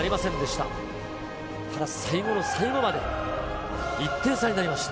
ただ最後の最後まで１点差になりました。